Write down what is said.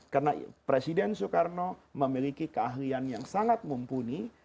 karena presiden soekarno memiliki keahlian yang sangat mumpuni